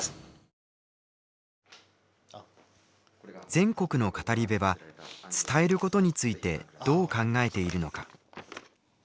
全国の語り部は伝えることについてどう考えているのか。